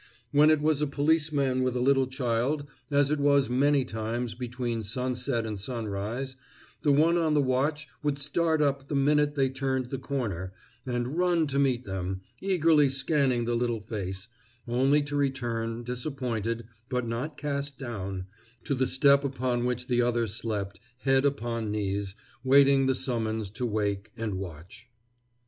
When it was a policeman with a little child, as it was many times between sunset and sunrise, the one on the watch would start up the minute they turned the corner, and run to meet them, eagerly scanning the little face, only to return, disappointed but not cast down, to the step upon which the other slept, head upon knees, waiting the summons to wake and watch.